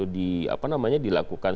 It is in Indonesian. di apa namanya dilakukan